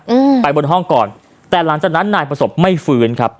อืมไปบนห้องก่อนแต่หลังจากนั้นนายประสบไม่ฟื้นครับ